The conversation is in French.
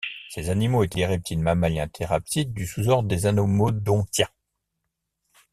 Ces animaux étaient des reptiles mammaliens thérapsides, du sous-ordre des Anomodontia.